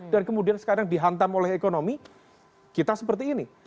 dan kemudian sekarang dihantam oleh ekonomi kita seperti ini